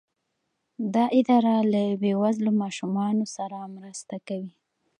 دا اداره له بې وزلو ماشومانو سره مرسته کوي.